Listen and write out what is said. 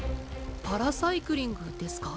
パラサイクリングですか？